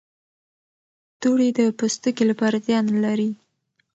دوړې د پوستکي لپاره زیان لري.